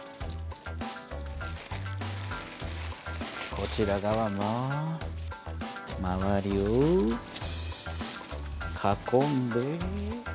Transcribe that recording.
こちら側もまわりを囲んで。